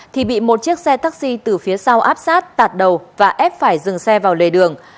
thì bị một chiếc xe taxi từ phía sau áp sát tạt đầu và ép phải dừng xe vào lề đường